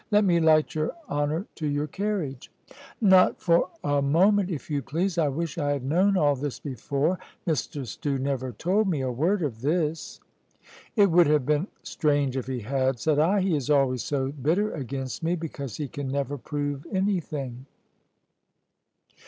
Let me light your honour to your carriage." "Not for a moment, if you please; I wish I had known all this before. Mr Stew never told me a word of this." "It would have been strange if he had," said I; "he is always so bitter against me, because he can never prove anything."